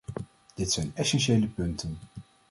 Dit zijn essentiële punten.